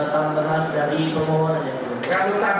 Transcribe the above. tantangan dari pembohonan yang belum ditutup